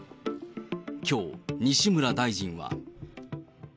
きょう、西村大臣は。